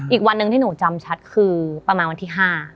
อีกวันหนึ่งที่หนูจำชัดคือประมาณวันที่๕